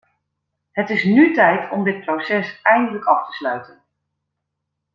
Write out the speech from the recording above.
Het is nu tijd om dit proces eindelijk af te sluiten.